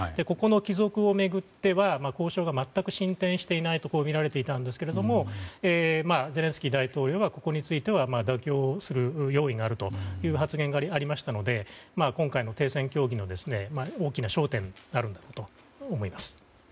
ここの帰属を巡っては交渉が全く進展していないとみられていたんですけどゼレンスキー大統領がここについては妥協する用意があるという発言がありましたので今回の停戦協議の大きな焦点になるんだろうと思います。